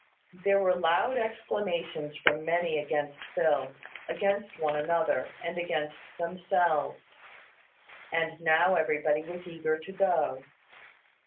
There were loud exclamations from many against Phil, against one another, and against themselves; and now everybody was eager to go.